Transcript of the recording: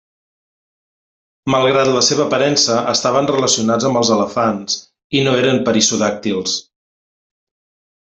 Malgrat la seva aparença, estaven relacionats amb els elefants i no eren perissodàctils.